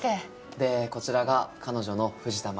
でこちらが彼女の藤田真実。